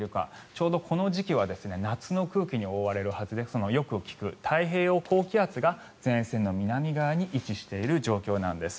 ちょうどこの時期は夏の空気に覆われるはずでよく聞く太平洋高気圧が前線の南側に位置している状況なんです。